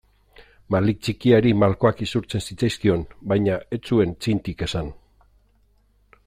Malik txikiari malkoak isurtzen zitzaizkion baina ez zuen txintik esan.